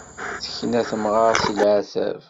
Tekna temɣart si leɛtab.